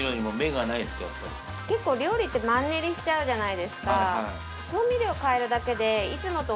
結構料理ってマンネリしちゃうじゃないですか。